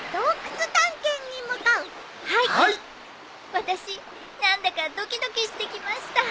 私何だかドキドキしてきました。